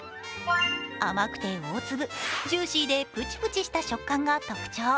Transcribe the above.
甘くて大粒、ジューシーでプチプチした食感が特徴。